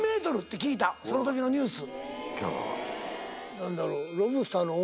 何だろう？